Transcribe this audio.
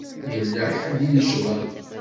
Yella ḥedd i yeccḍen.